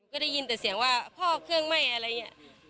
ก็ได้ยินแต่เสียงว่าพ่อเครื่องไหม้อะไรอย่างนี้